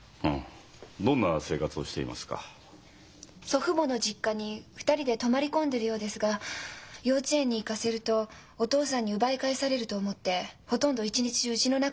祖父母の実家に２人で泊まり込んでるようですが幼稚園に行かせるとお父さんに奪い返されると思ってほとんど一日中うちの中にいるようです。